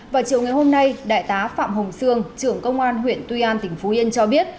vào chiều ngày hôm nay đại tá phạm hồng sương trưởng công an huyện tuy an tỉnh phú yên cho biết